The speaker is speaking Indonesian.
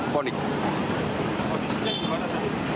kondisinya di mana